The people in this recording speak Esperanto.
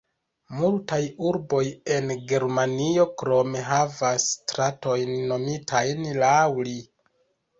Multaj urboj en Germanio krome havas stratojn nomitajn laŭ li.